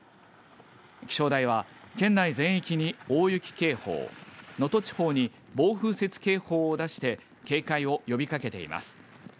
気象台は県内全域に大雪警報能登地方に暴風雪警報を出して警戒を呼びかけています。